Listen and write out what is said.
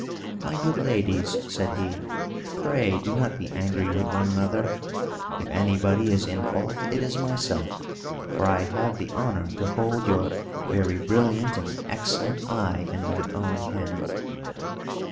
"My good ladies," said he, "pray do not be angry with one another. If anybody is in fault, it is myself; for I have the honour to hold your very brilliant and excellent eye in my own hand!"